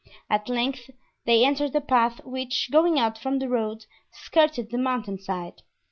At length they entered a path which, going out from the road, skirted the mountainside.